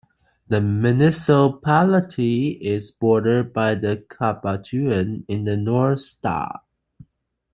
The municipality is bordered by Cabatuan in the north, Sta.